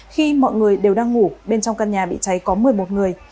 khi mọi người đều đang ngủ bên trong căn nhà bị cháy có một mươi một người